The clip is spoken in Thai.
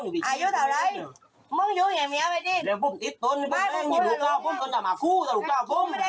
ไหนอยู่เมื่ออยู่โทษท่าไปดิ